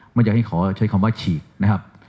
ไม่อยากให้ขอใช้คำว่าฉีกนะครับ